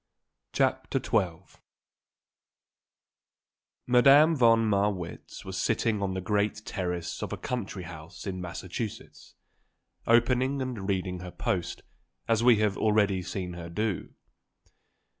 CHAPTER XII Madame von Marwitz was sitting on the great terrace of a country house in Massachusetts, opening and reading her post, as we have already seen her do.